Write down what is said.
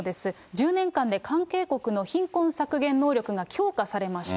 １０年間で関係国の貧困削減能力が強化されました。